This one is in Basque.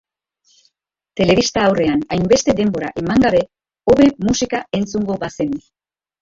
Telebista aurrean hainbeste denbora eman gabe, hobe musika entzungo bazenu.